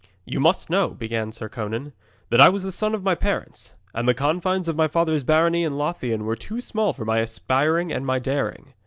'You must know,' began Sir Conan, 'that I was the only son of my parents, and the confines of my father's barony in Lothian were too small for my aspiring and my daring.